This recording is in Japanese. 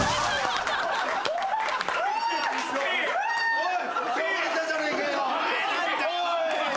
おい！